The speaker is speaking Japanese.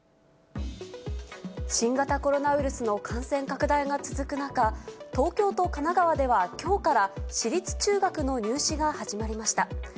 新型コロナウイルスの感染拡大が続く中、東京と神奈川では、きょうから私立中学の入試が始まりました。